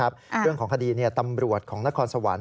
เรื่องของคดีตำรวจของนครสวรรค